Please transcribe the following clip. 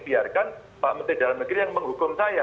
biarkan pak menteri dalam negeri yang menghukum saya